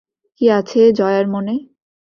কী আছে জয়ার মনে?